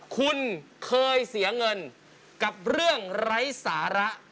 คุณเคยเสียเงินกับเรื่องไร้สาระ